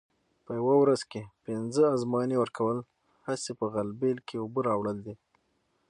په یوه ورځ کې پینځه ازموینې ورکول هسې په غلبېل کې اوبه راوړل دي.